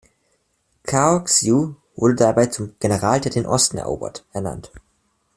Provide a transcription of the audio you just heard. Cao Xiu wurde dabei zum "General, der den Osten erobert" ernannt.